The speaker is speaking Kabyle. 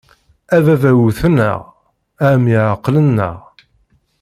A baba wwten-aɣ, a mmi ɛeqlen-aɣ.